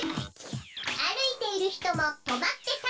あるいているひともとまってさ